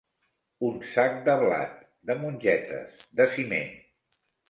Un sac de blat, de mongetes, de ciment.